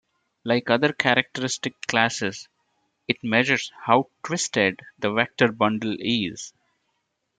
Like other characteristic classes, it measures how "twisted" the vector bundle is.